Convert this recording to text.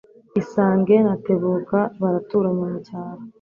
Isange na Tebuka baraturanye mucyaro